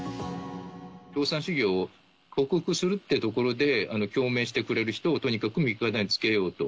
共産主義を克服するってところで、共鳴してくれる人をとにかく味方につけようと。